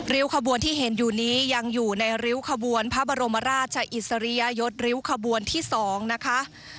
ขบวนที่เห็นอยู่นี้ยังอยู่ในริ้วขบวนพระบรมราชอิสริยยศริ้วขบวนที่๒นะคะ